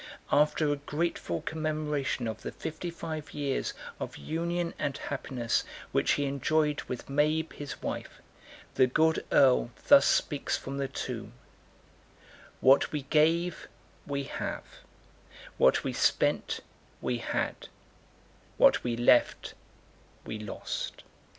After a grateful commemoration of the fifty five years of union and happiness which he enjoyed with Mabe his wife, the good earl thus speaks from the tomb:— "What we gave, we have; What we spent, we had; What we left, we lost."